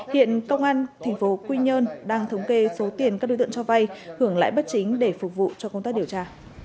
hiện công an tp quy nhơn đang thống kê số tiền các đối tượng cho vay hưởng lãi bất chính để phục vụ cho công tác điều tra